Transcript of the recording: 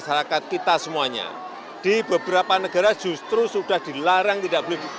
masyarakat kita semuanya di beberapa negara justru sudah dilarang tidak beli